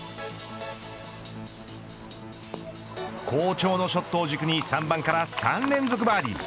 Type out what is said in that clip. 好調のショットを軸に３番から３連続バーディー。